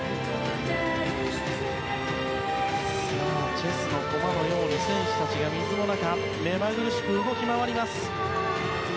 チェスの駒のように選手たちが水の中目まぐるしく動きます。